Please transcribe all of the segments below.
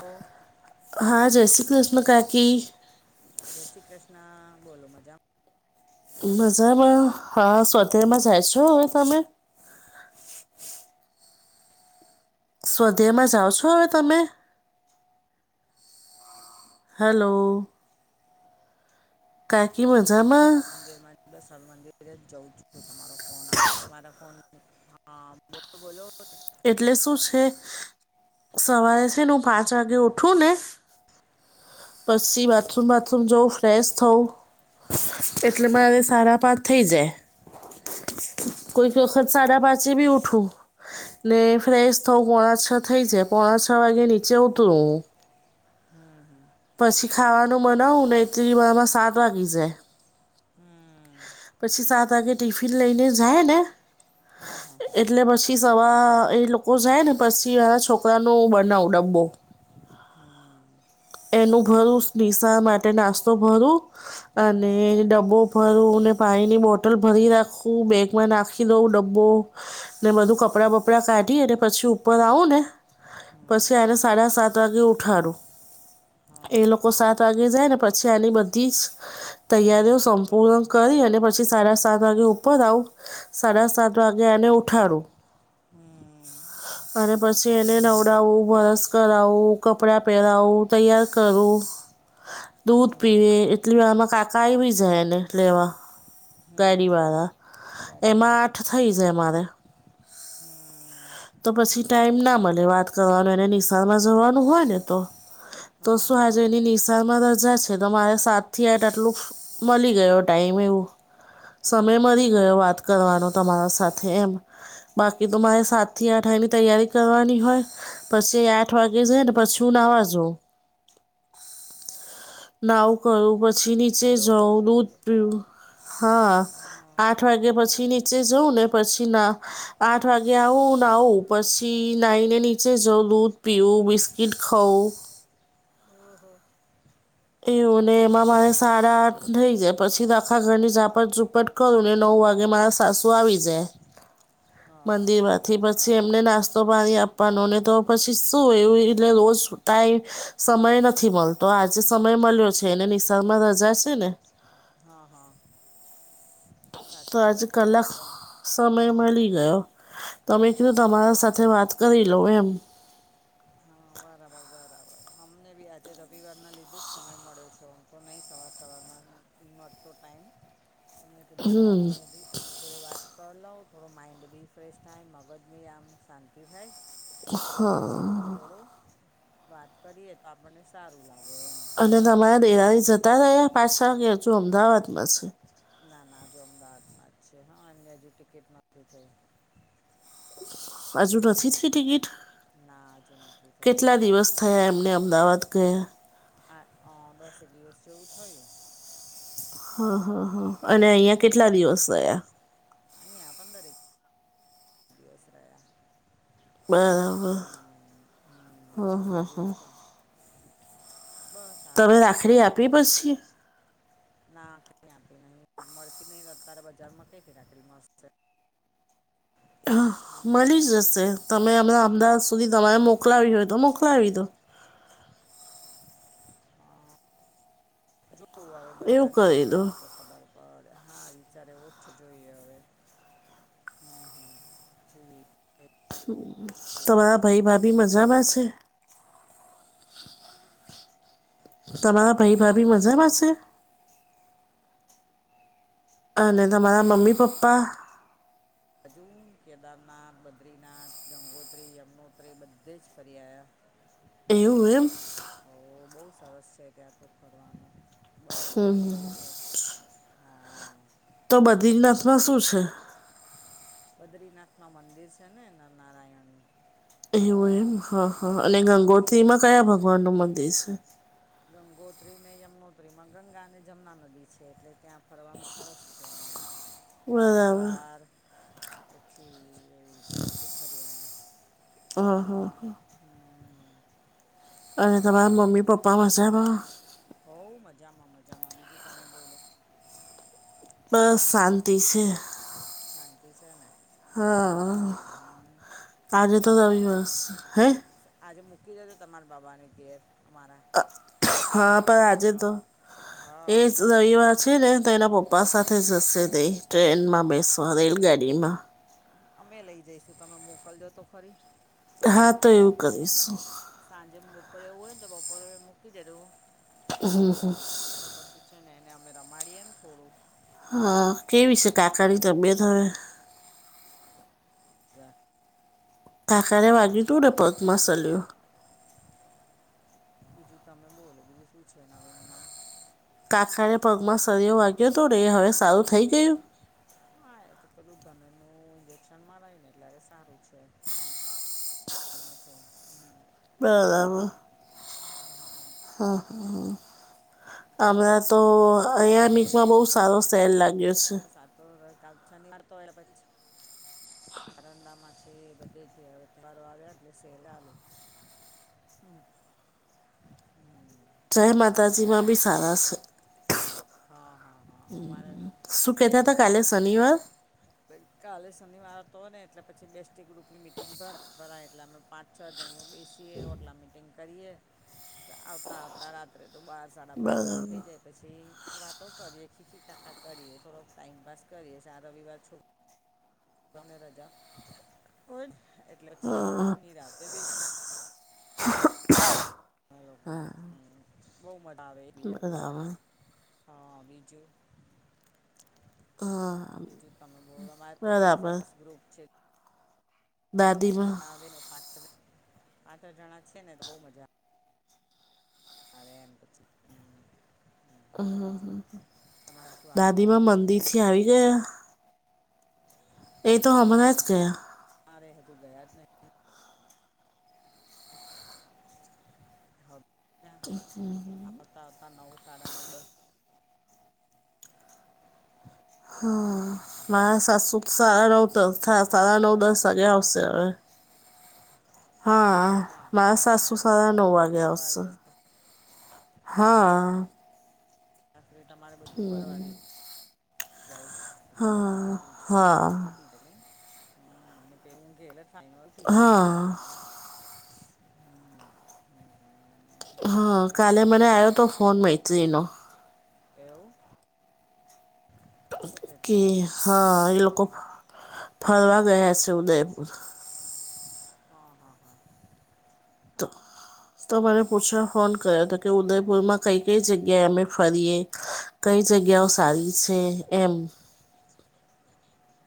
તો હ હા જય શ્રી કૃષ્ને કાકી. જય શ્રી કૃષ્ણ બોલો મજામાં. મજામાં હા સોધરમાં જાય છો હવે તમે. સ્વધ્યામાં જાઓ છો હવે તમે? હલો? કાકી મજામાં? હું મંદિરમાં હર મંદિરે જ જઉં છું તમારો ફોન આવ્યો તમારા ફોન હા બોલો બોલો એટલે શું છે સવારે છે ન પા પાંચ વાગે ઉઠું ને પછી બાથરૂમ બાથરૂમ જવું ફ્રેશ થવું એટલે મારે સાડા પાંચ થઈ જાય કોઈ વખત સાડા પાચ ભી ઉઠું? ને ફ્રેશ થઉં પોણા છ થઈ જાય પોણા છ વાગે નીચે ઉતરું હું હમ હમ પછી ખાવાનું મનાવું ને એટલી માં સાત વાગી જાય હમ પછી સાત વાગે ટિફિન લઈને જાય ને હા હા હા એટલે પછી સવાર એ લોકો જાય ને પછી આ છોકરાનો બનાવ ડબ્બો હમમ એનું ઘરુંશ નિશા માટે નાસ્તો ભરું હમ અને હમ ડબ્બો ભરુંને પાણીની બોટલ ભરી રાખું બેગમાં નાખી દઉં ડબ્બો ને બધું કપડાં બપડા સાઢી અને પછી ઉપર આવું ને હમ પછી હમ આને સાડા સાત વાગે ઉઠાડુ હા એ હા લોકો સાત વાગે જાય ને પછી આની બધી જ તૈયારીઓ તૈયારી કરવા સંપૂર્ણ કરી અને પછી સાડા સાત વાગે ઉપર આવું સાડા સાત વાગે એને ઉઠાડું હમ અને પછી એને નવડાવું બરસ કરાવું કપડા પહેરાવું તૈયાર કરુ દૂધ હમ હમ પીવે એટલી વાર મા કાકા આવી જાય એને લેવા ગાડી વાળ હમ એમાં આઠ થઇ છે અમારે હમમમ તો પછી ટાઈમ ના મળે વાત કરવાનો એને નિશામાં જવાનું હોય ને તો તો હા શું હા આજે હા એની નિશામાં રજા છે. તો મારે સાતથી આ આટલું મલી ગયો ટાઈમ એવું હમ સમય હમ મળી ગયો વાત કરવાનો તમારા સાથે એમ બાકી તો મારે સ થી આઠાઈની તૈયારી કરવાની હોય પછી આઠ વાગે જાય ને પછી હું નાવા જઉં નાવ કરું પછી હમ નીચે હલો જવું દૂધ પીવું હા આઠ હા વાગ્યા પછી નીચે જઉં ને પછી ના આઠ વાગે આવુ નાવું પછી નાહીને નીચે જઉં દૂધ પીવું બિસ્કીિટ ખઉં અહ એવું ને એમાં મારે સાડા આઠ થઈ જાય પછી દાખા ઘરની ઝાપટ ઝૂપટ કરું ને નવ વાગે મારા સાસુ આવી જાય હાં થી પછી એમને નાસ્તો પાણી આપવાનો ને તો પછી શું એવું એટલે રોજ સુતાય સમય નથી મલતો આજે સમય મલ્યો છે એને નિશાડમાં રજા છે ને હાં હાં તો આજ વાત કલાક છોકરાઓ સમય હા મલી ગયો તો મે કહ્યુ તમારા સાથે વાત કરી લો એમ હા બરાબર બરાબર અમને બી આજે રવિવારના લીધે જ સમય મળ્યો છો અમ તો નં સવાર સવારમાં વતો ટાઈમ અને કીધો હવે આ જો બી તમા જોડે વાત કરી લઉ થોડો માઇન્ડ રીફ્રેશ થાય મગજની આમ શાંતિ થાય એટલે મેં કીધું થોડું થોડું વાત કરીએ તો આપણને સારું લાગે એમ બીજું તો કઈ નઇ તમે શું અમદાવાદમાં છે. ના ના હજુ અમદાવાદમાં જ છે હા અ હજુ ટિકિટ નથી થઈ હજુ નથી થ ટિકિટ ના હજુ નથી થઈ કેટલા દિવસ એ એમને અમદાવાદ ગયા. આ દસેક દિવસ જેવું થયું હા હા હા અને અઇયાં કેટલા દિવસ થયા. અઇયાં પંદર એક પસરા [inaudible] [unintelligible] મા હ હમ. હા બીજું હા તો બસ આ તમે વા રાખડી વા આપી પછી ના કઈ આપી નહી મળતી નહી અત્યારે બજાર માં કઈથી રાકરી મળશે. હા હમ, મળી આમાં જશે તમે અમણાં અમદાવાદ સુધી તમારે મોકલાવી હોય તો મોકલાવી દો. જોવું હ એવું બજારની તો કરી દો ખું [unintelligible] ખબર પડે. હા વિચારે એવો છે. જોઈએ હવે. હમ હમ જોઈએ! [inaudible] તમારા ભાઈ ભાભી મજામાં છે? તમારા ભાઈ ભાભી મજામાં છે? અને તમારા મમ્મી પપ્પા? આજુ કેદારનાથ, બદ્રીનાથ, ગંગોત્રી, યમનોત્રી બધે જ ફરી આવ્યા. એવું એમ. ઓ બહુ સરસ છે. ત્યાં તો ફરવાનો બધે પરિસર. હા હા! તો બદ્રીનાથમાં શું છે? બદ્રીનાથ ના મંદિર છે ને નારાયણનું. એવું એમ હા હા! અને ગંગોત્રીમાં કયા ભગવાનનું મંદિર છે? ગંગોત્રી ને યમનોત્રી માં ગંગા અને જમુના નદી છે. એટલે ત્યાં. ફરવાનું સરસ છે. બરાબર હરિદ્વાર પછી એવી તો બધું ફરી આર્યા. હા હા હા! હમ! અરે તમારા મમી પપ્પા મજેમા. હો મજામાં મજામાં. બીજું તમે બોલો. બસ શાંતિ છે. શાંતિ છે ને. હા હમ હમ આજે તમારા તો બાબુ રવિવાર હે. આજે મૂકી દજો તમારા બાબાની ઘેર અમારા. [inaudible] હા! પણ આજે તો એ જ હા રવિવાર છે ને, તો એના પપ્પા સાથે. તે જસે તે ટ્રેનમાં બેસો રલગાડીમાં. અમે લઈ જઈશું. તમે મોકલજો તો ખરી. હા! તો એવું કરીશું. સાંજે બપોરે હોવને તો બપોરે મૂકી જજો. હમ્મ હમ્મ. તો પછી છે ને એને અમે રમાડીએ ને થોડું હા કેવીશે કાકાની તબિયત હવે [unintelligible] કાકા ને વાગયુ તું ને પગ મા બીજું સળીયો બીજું તમે બોલો બીજુ શું છે નવીનમાં? કાકાએ પગમાં સરયો વાગ્યો હતો ને એ હવે સારું થઈ ગયું? હા એ તો પેલું ચાલેને નવું ઇન્જેક્શન મરાય ને એટલે સારું છે. [unintelligible] હમ્મ. બરાબર હા. આ હમણાં તો ઠીક છે બીજું અંયા મીકમાં બહુ સારો સેલ લાગ્યો છે. [unintelligible] શનિવાર હે તો પછી [unintelligible] બધી તે તહેવારો આયા એટલે સેલ આયુ હમ્મ. જય માતાજી માં બી સારા છે. હા હા હા અમારે શું કહેતા હતા કાલે શનિવાર હા. કાલે શનિવાર તો ને એટલે પછી બેસ્ટી ગ્રુપની મિટિંગ કરે ભરાય એટલે અમે પાંચ છ જણીઓ બેસીએ હોટલા મીટિંગ કરીએ આવતા આવતા રાત્રે તો બાર સાડા બાર જેવું થઈ બરાબર જાય પછી વાતો કરીએ ખીખી ખાખા કરીએ થોડોક ટાઈમપાસ કરીએ આ રવિવાર છોક કરાને રજા હોયને એટલે પછી ની રાતે બેસીએ [inaudible] આ લોકો હમ્મ બઉ મજા આવે એક બીજાની ઉડાવાન બરાબર હા બીજું બીજું તમે બોલો માર તો બઉ બરાબર સરસ ગ્રુપ છે. ગ્રુપમાં એટલી દાદીમાં [unintelligible] આવે ને પાંચ છ જણા પાંચ જ જણા છે ને તો બહુ મજા આવે એમ પછી હમ્મ. બીજું તમારા શું આવી [unintelligible] એ એ તો ના હમણાં જ ગયો મારે હજું ગયા જ નહી ત્યાં આવતા આવતા નવ સાડા નવ દસ હા. મારે સાસુ સાડા નવ હમ, થયા બીજું સાડા નવ બધું બધું દસ વાગે મજામાં આવશે હવે હા હા મારા સાસુ ત્યાં સસ સુધી નવ તમે વાગે બધું આવશે પરવારી જશો હો ને હા. ત્યાં સુધી તમારે બધું કરવા પરવારી જઉં કે બધુ જ કપડાં હા બપડા પતી [unintelligible] કશું ના હા થાય હમ્મ. હા કાલે મને આવ્યો તો ફોન મૈત્રીનો એવું શું કહેતી કે હા એ લોકો ફરવા ગયા છે ઉદયપુર હા હા હા. તો તો મને પૂછવા ફોન કર્યો હતો કે તો સર ઉદયપુરમાં કઈ કઈ જગ્યાએ અમે ફરીએ કઈ જગ્યાઓ સારી છે એમ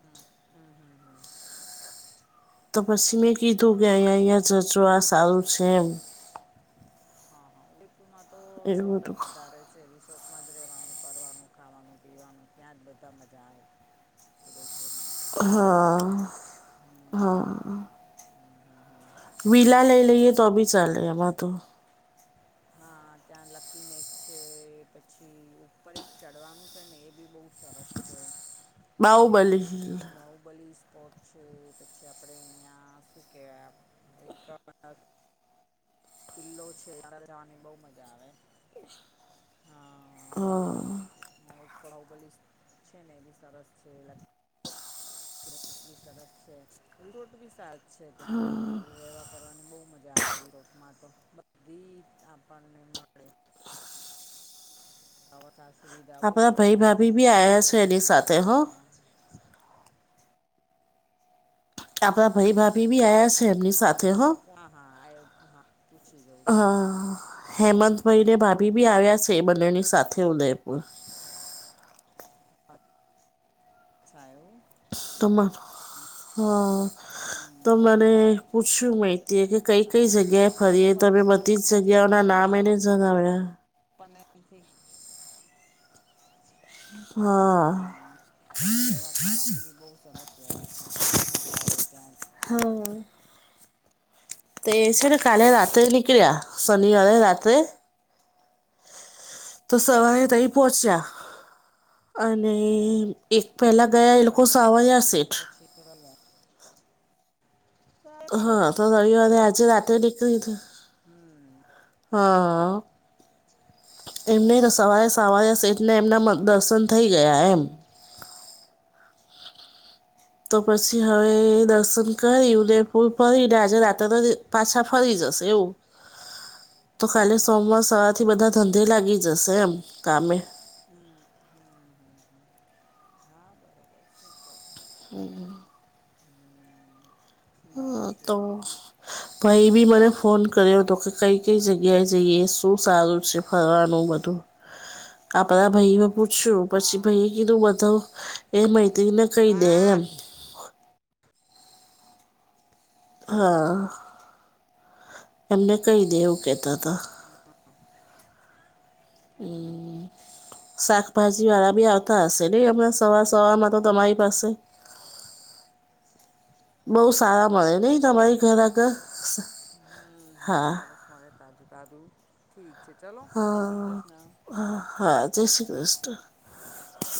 હમ્મ હમ્મ હમ્મ હમ્મ તો પછી મેં કીધું કે હા તો અહીંયા અહીંયા જજો આ સારું છે એમ હા હા ઉદયપુરમાં તો એવું રિસોર્ટ બધું જ વધારે છે રિસોર્ટમાં જ રહેવાનું કરવાનું ખાવાનું પીવાનું ત્યાં જ બધા મજા આવે ઉદયપુરમાં તો હમ્મ વિલા લઈ લઈએ તો ઠીક બી ચાલે એમાં તો હા ત્યાં લકીનેક છે પછી ઉપર એક ચડવાનું છે ને એ બી બઉ સરસ છે. બાહુબલી બાહુબલી સ્પોર્ટ છે પછી આપડે અહિયાં શું કેવાય આપ એક કિલ્લો છે ત્યાં જવાની બઉ મજા આવે હા બાહુબલી હા પાડાઉ બલી છે ને એ બી સરસ છે લકી બી સરસ છે ઇરોટ બી સરસ છે ત્યાં તો આમ આપણે રહેવા કરવાની બહુ મજા આવે ઇરોટમાં તો બધી આપણને મળે હવા સાર સુવિધા બહુ આપણા સરસ ભાઈ ત્યાં ભાભી બી આયા છે રહેેવા એની કરવા સાથે હો આપડા ભાઈ ભાભી બી આયા છે એમની હા સાથે હો એવું હા હા એ હા પૂછી જવું ચાલો હા હમ હેમંતભાઈ હમ ને ભાભી બી આવ્યા છે એ બંનેની સાથે ઉદયપુર [unintelligible] અચ્છા એવું તમાર હા તો હમ મને પૂછ્યું સારું મૈત્રીએ કે કઈ કઈ સારું જગ્યાએ એ ફરીએ તો લોકોને મે પણ ત્યાંથી બધી જ નજીક જગ્યાઓના નામ એને જણાવ્યા પનેથી [unintelligible] હા હમ અને રહેેવા ખાવાની બી બહુ સરસ વ્યવસ્થા છે બહુ મજા આવે ત્યાં હમ તે છે ને કાલે રાતે નનીકલ્યા શનિવાે રાતે તો સવારે તઈ પહોંચ્યા અને એક પહેલાં ગયા એ લોકો સાવાયા સેઠ રલા હા તો રવિવાર અને આજ રાત્રે નીકળી ગયા હમ હા એમને હમ સવારે સવારે સેઠને એમના દર્શન થઈ ગયા એમ તો પછી હવે અચ્છા દર્શન કરીને ઉદયપુર ફરીને આજે રાત્રના પાછા ફરી જશે એવું તો ખાલી સોમવાર સવાર થી બધા ધંધે લાગી જશે એમ કામે હ હ હ હ હા બરાબર છે ચલો હમ [unintelligible] હ ઠીક છે તો બીજું ભાઈ બી મને ફોન કર્યો હતો કે કઈ કઈ જગ્યાએ જઈએ શું સારું છે ફરવાનું બધું આપણા ભાઈઓ પૂછ્યું પછી હા ભાઈ એ કીધું બધું એ મૈત્રીને કહી દે એમ હા હા એમને કઈ દેવું કેહેતા હતા હમ શાકભાજી વાળા બી આવતા હશે નહીં હમણાં સવાર અચ્છા સવારમાં તો તમારી પાસે બહું સારા મળે નહીં તમારી ઘર આગળ? હમ્મ. હા સરસ મળે તાજું-તાજું, ઠીક છે ચલો, જય શ્રી કૃષ્ણ. હા, હા જય શ્રી કૃષ્ણ. [inaudible]